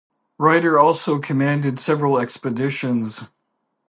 Ryder also commanded several expeditions.